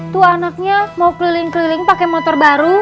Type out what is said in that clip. tuh anaknya mau keliling keliling pakai motor baru